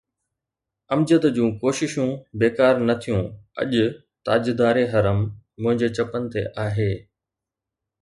امجد جون ڪوششون بيڪار نه ٿيون، اڄ ”تاجدار حرم“ منهنجي چپن تي آهي.